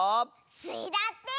スイだって！